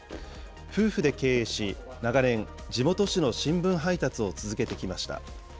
夫婦で経営し、長年、地元紙の新聞配達を続けてきました。